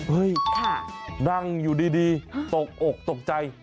นั่งอยู่ดีตกอกตกใจ